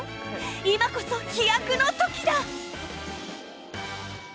今こそ飛躍の時だ。